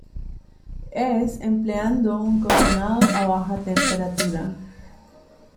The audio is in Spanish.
Es empleando un cocinado a baja temperatura.